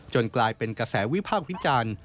กลายเป็นกระแสวิพากษ์วิจารณ์